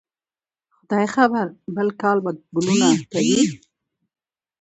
خدای خبر؟ بل کال به ګلونه کوي